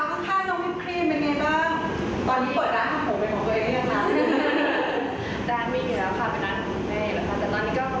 ส่วนซ้ำข้างน้องวิบครีมเป็นยังไงบ้างตอนนี้เปิดร้านของผมเป็นของตัวเองได้ยังไง